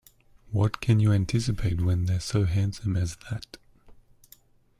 What can you anticipate when they're so handsome as that?